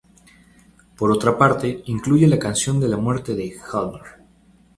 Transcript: Por otra parte, incluye la canción de la muerte de Hjalmar.